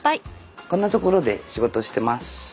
こんなところで仕事してます。